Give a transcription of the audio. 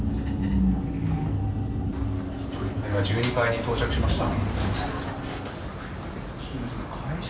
１２階に到着しました。